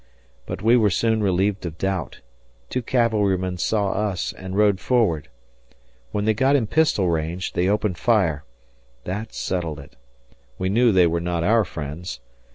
But we were soon relieved of doubt two cavalrymen saw us and rode forward. When they got in pistol range, they opened fire that settled it. We knew they were not our friends.